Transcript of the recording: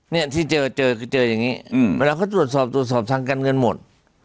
เนี่ยที่เจอเจอคือเจออย่างนี้เวลาเขาตรวจสอบตรวจสอบทางการเงินหมด